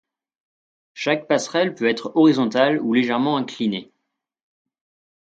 Chaque passerelle peut être horizontale ou légèrement inclinée.